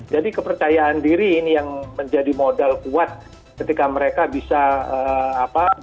jadi kepercayaan diri ini yang menjadi modal kuat ketika mereka bisa apa